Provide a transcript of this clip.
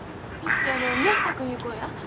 ピッチャーの宮下君いう子や。